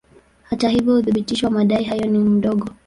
Hata hivyo uthibitisho wa madai hayo ni mdogo.